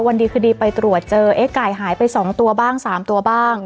วันดีคืนดีไปตรวจเจอเอ๊ะไก่หายไป๒ตัวบ้าง๓ตัวบ้าง